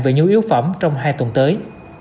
về nhu yếu phẩm trong hai tuần tới